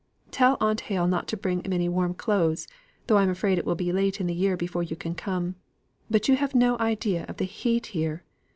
Tell Aunt Hale not to bring any warm clothes, though I'm afraid it will be late in the year before you can come. But you have no idea of the heat here!